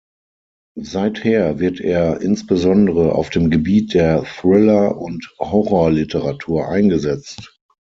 Seither wird er insbesondere auf dem Gebiet der Thriller- und Horrorliteratur eingesetzt.